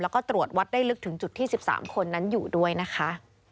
แล้วก็ตรวจวัดได้ลึกถึงจุดที่๑๓คนนั้นอยู่ด้วยนะคะ